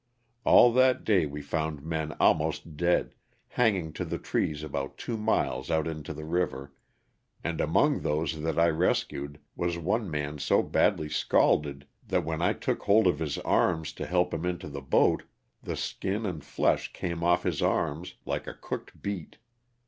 All that day we found men almost dead, hang ing to the trees about two miles out into the river, and among those that I rescued was one man so badly scalded that when 1 took hold of his arms to help him into the boat the skin and flesh came off his arms like a cooked beet.